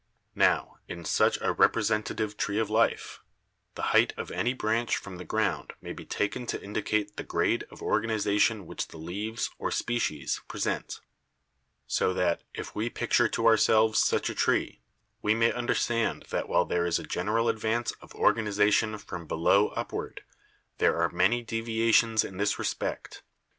Now, in such a representative tree of life, the height of any branch from the ground may be taken to indicate the grade of organiza tion which the leaves, or species, present; so that, if we picture to ourselves such a tree, we may understand that while there is a general advance of organization from below upward, there are many deviations in this respect.